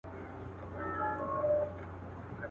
ویل کيږي چي کارګه ډېر زیات هوښیار دی.